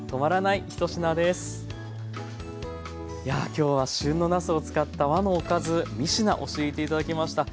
いやぁ今日は旬のなすを使った和のおかず３品教えて頂きました。